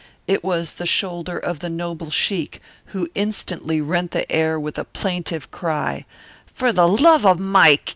It was the shoulder of the noble sheik, who instantly rent the air with a plaintive cry: "For the love of Mike!